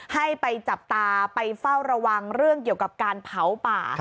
ให้ไปจับตาไปเฝ้าระวังเรื่องเกี่ยวกับการเผาป่า